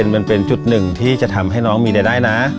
ตรงนี้มันเป็นจุดหนึ่งที่จะให้น้องมีได้นะ